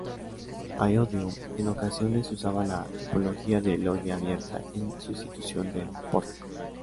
Palladio en ocasiones usaba la tipología de "loggia abierta" en sustitución del pórtico.